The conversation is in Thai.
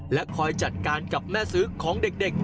และคอยจัดการกับแม่ซื้อของเด็ก